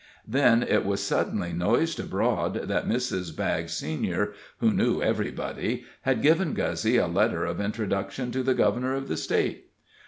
Then it was suddenly noised abroad that Mrs. Baggs, Sr., who knew everybody, had given Guzzy a letter of introduction to the Governor of the State.